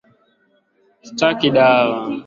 Sitaki dawa